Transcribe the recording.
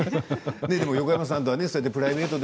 横山さんとプライベートで